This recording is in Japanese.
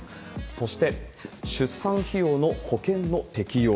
そして、出産費用の保険の適用。